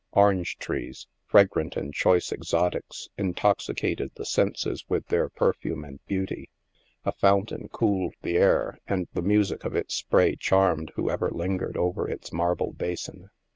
Orange trees, fragrant and choice exotics intoxicated the senses with their perfume and beauty ; a fountain cooled the air and the music of its spray charmed whoever lingered over its marble basin.